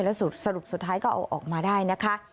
แล้วสรุปสุดท้ายก็เอาออกมาได้นะคะ